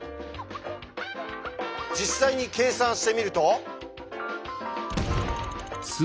実際に計算してみると。